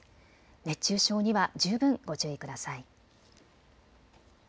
熱中症には十分ご注意ください。